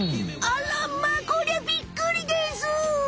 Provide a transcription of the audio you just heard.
あこりゃびっくりです。